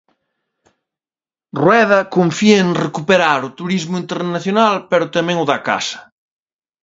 Rueda confía en recuperar o turismo internacional pero tamén o da casa.